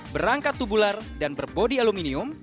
berangkat tubular dan berbodi aluminium